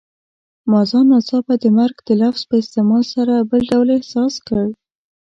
ما ځان ناڅاپه د مرګ د لفظ په استعمال سره بل ډول احساس کړ.